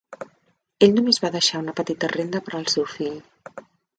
Ell només va deixar una petita renda per al seu fill.